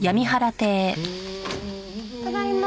ただいま！